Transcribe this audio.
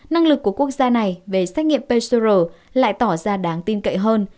năng lực của quốc gia này về xét nghiệm pcr lại tỏ ra đáng tin cậy hơn